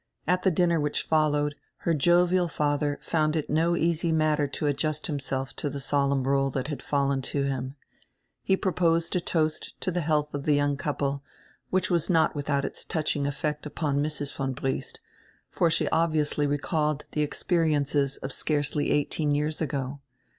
At die dinner which followed, her jovial father found it no easy matter to adjust himself to die solemn role diat had fallen to him He proposed a toast to die healdi of die young couple, which was not without its touch ing effect upon Mrs. von Briest, for she obviously recalled the experiences of scarcely eighteen years ago.